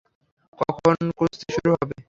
কখন কুস্তি শুরু হবে।